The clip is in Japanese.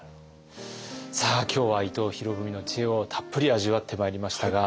今日は伊藤博文の知恵をたっぷり味わってまいりましたが。